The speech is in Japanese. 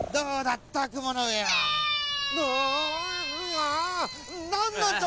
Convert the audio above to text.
ああなんなんだ